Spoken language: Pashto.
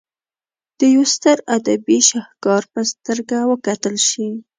د یوه ستر ادبي شهکار په سترګه وکتل شي.